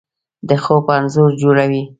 د خوب انځور جوړوي